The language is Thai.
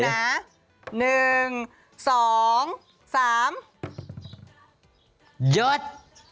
หยุด